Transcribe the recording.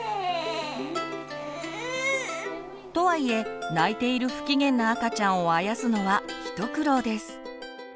とはいえ泣いている不機嫌な赤ちゃんをあやすのは一苦労です。